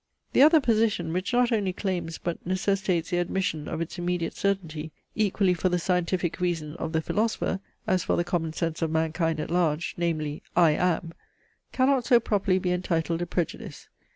The other position, which not only claims but necessitates the admission of its immediate certainty, equally for the scientific reason of the philosopher as for the common sense of mankind at large, namely, I AM, cannot so properly be entitled a prejudice.